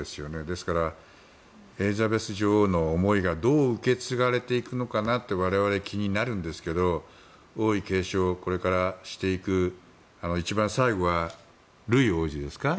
ですからエリザベス女王の思いがどう受け継がれていくか我々、気になるんですけど王位継承をこれからしていく一番最後はルイ王子ですか。